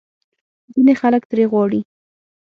ځینې خلک ترې غواړي